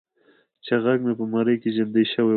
چې غږ مې په مرۍ کې زیندۍ شوی و.